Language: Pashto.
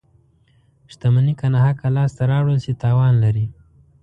• شتمني که ناحقه لاسته راوړل شي، تاوان لري.